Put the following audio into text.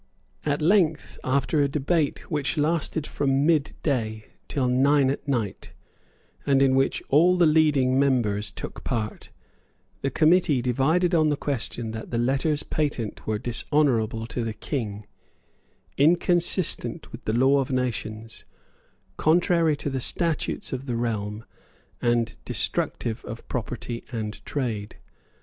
At length, after a debate which lasted from midday till nine at night, and in which all the leading members took part, the committee divided on the question that the letters patent were dishonourable to the King, inconsistent with the law of nations, contrary to the statutes of the realm, and destructive of property and trade.